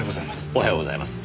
おはようございます。